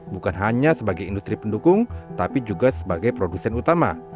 bukan hanya sebagai industri pendukung tapi juga sebagai produsen utama